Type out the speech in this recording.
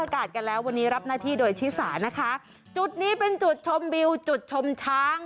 อากาศกันแล้ววันนี้รับหน้าที่โดยชิสานะคะจุดนี้เป็นจุดชมวิวจุดชมช้าง